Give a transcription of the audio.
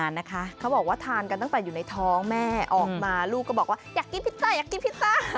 นะคะเขาบอกว่าทานกันตั้งแต่อยู่ในท้องแม่ออกมาลูกก็บอกว่าอยากกินพิซซ่าอยากกินพิซซ่า